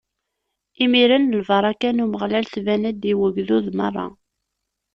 Imiren lbaṛaka n Umeɣlal tban-d i ugdud meṛṛa.